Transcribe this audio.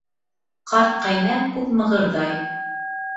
Ҡарт ҡәйнә күп мығырҙай.